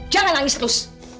jangan nangis terus